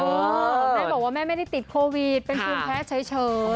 แม่บอกว่าแม่ไม่ได้ติดโควิดเป็นภูมิแพ้เฉย